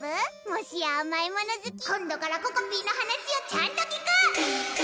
もしやあまいものずき？今度からここぴーの話をちゃんと聞く！